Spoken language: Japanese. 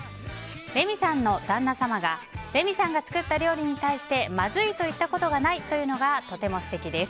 レミさんの旦那様がレミさんが作った料理に対してまずいと言ったことがないというのが、とても素敵です。